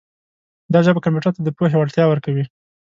دا ژبه کمپیوټر ته د پوهې وړتیا ورکوي.